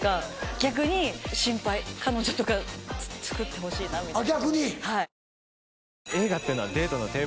逆に心配彼女とかつくってほしいなみたいな。